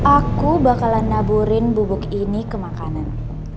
aku bakalan naburin bubuk ini ke makanan